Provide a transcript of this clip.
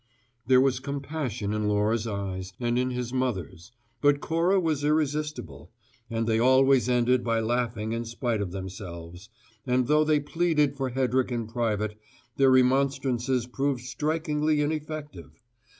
..." There was compassion in Laura's eyes and in his mother's, but Cora was irresistible, and they always ended by laughing in spite of themselves; and though they pleaded for Hedrick in private, their remonstrances proved strikingly ineffective.